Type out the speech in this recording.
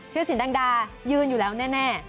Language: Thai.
รสินแดงดายืนอยู่แล้วแน่